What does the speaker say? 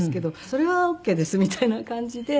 それはオーケーですみたいな感じで。